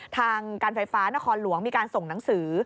ทางการไฟฟ้านครหลวงมีการส่งหนังสือ